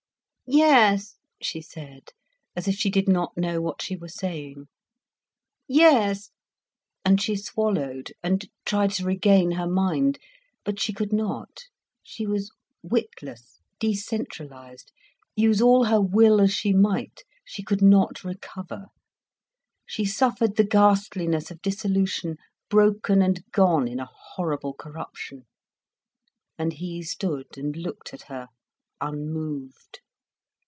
"Yes," she said, as if she did not know what she were saying. "Yes," and she swallowed, and tried to regain her mind. But she could not, she was witless, decentralised. Use all her will as she might, she could not recover. She suffered the ghastliness of dissolution, broken and gone in a horrible corruption. And he stood and looked at her unmoved.